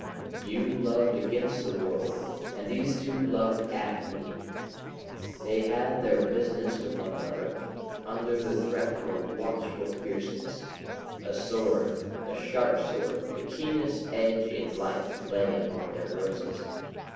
You loved against the world, and these two loved AT me. They had their business with one another, under the threat of a watchful fierceness. A sword, a sharp sword, the keenest edge in life, lay among their roses.